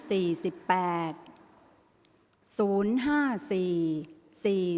ออกรางวัลที่๖